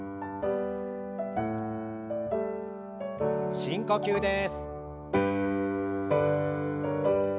深呼吸です。